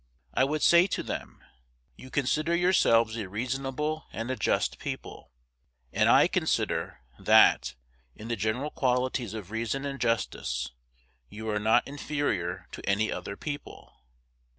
I would say to them, You consider yourselves a reasonable and a just people; and I consider, that, in the general qualities of reason and justice, you are not inferior to any other people.